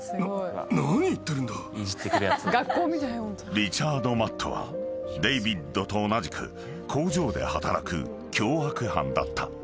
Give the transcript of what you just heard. ［リチャード・マットはデイビッドと同じく工場で働く凶悪犯だった］